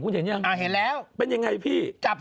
เพิ่งเห็นยังเป็นยังไง๙๘๐๐พี่